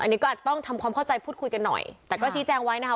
อันนี้ก็อาจจะต้องทำความเข้าใจพูดคุยกันหน่อยแต่ก็ชี้แจงไว้นะคะ